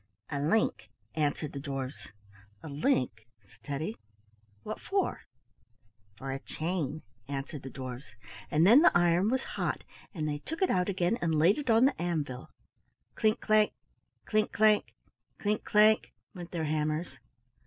"A link," answered the dwarfs. "A link!" said Teddy. "What for?" "For a chain," answered the dwarfs, and then the iron was hot and they took it out again and laid it on the anvil. Clink clank! clink clank! clink clank! went their hammers.